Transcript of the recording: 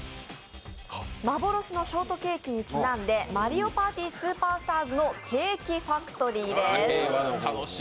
幻のショートケーキにちなんで「マリオパーティースーパースターズ」の「ケーキファクトリー」です。